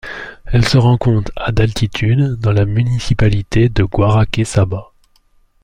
Elle se rencontre à d'altitude dans la municipalité de Guaraqueçaba.